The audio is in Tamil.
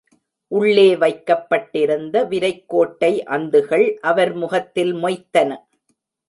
உள்ளே வைக்கப்பட்டிருந்த விரைக்கோட்டை அந்துகள் அவர் முகத்தில் மொய்த்தன.